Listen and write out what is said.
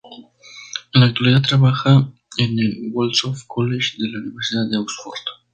En la actualidad trabaja en el Wolfson College de la Universidad de Oxford.